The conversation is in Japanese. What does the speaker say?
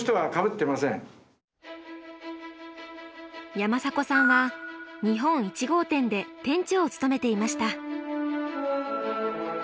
山迫さんは日本１号店で店長を務めていました。